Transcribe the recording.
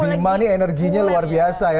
bima ini energinya luar biasa ya